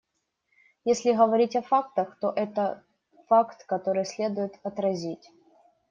Если говорить о фактах, то это факт, который следует отразить.